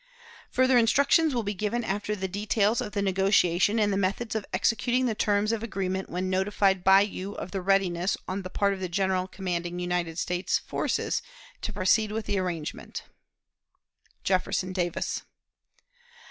"Further instructions will be given after the details of the negotiation and the methods of executing the terms of agreement when notified by you of the readiness on the part of the General commanding United States forces to proceed with the arrangement. "JEFFERSON DAVIS."